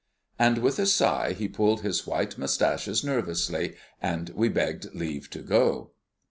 And with a sigh he pulled his white moustaches nervously, and we begged leave to go.